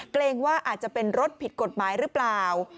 เกรงว่าอาจจะเป็นรถผิดกฎหมายหรือเปล่า